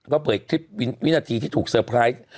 ก็เผยคลิปวินาทีที่ถูกเซอร์ไพรส์